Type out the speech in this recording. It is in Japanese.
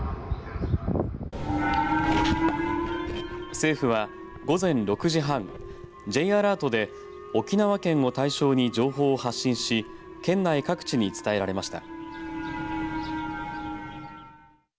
政府は午前６時半Ｊアラートで沖縄県を対象に情報を発信し県内各地に伝えられました。